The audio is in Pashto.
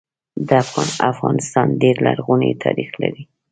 افغانستان ډير لرغونی تاریخ لري